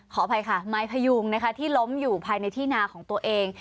ขออภัยค่ะไม้พยุงนะคะที่ล้มอยู่ภายในที่นาของตัวเอง